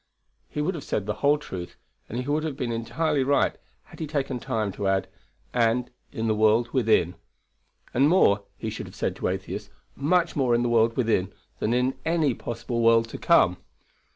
He would have said the whole truth, and he would have been entirely right, had he taken time to add, "and in the world within." "And more," he should have said to Atheist, "much more in the world within than in any possible world to come."